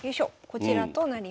こちらとなります。